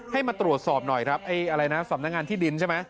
ให้มาตรวจสอบหน่อยครับไอ้อะไรนะสำนักงานที่ดินใช่ไหม